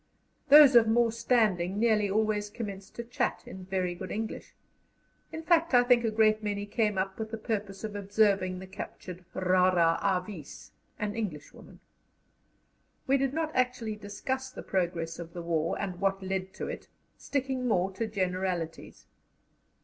Those of more standing nearly always commenced to chat in very good English; in fact, I think a great many came up with the purpose of observing the captured rara avis, an Englishwoman. We did not actually discuss the progress of the war and what led to it, sticking more to generalities.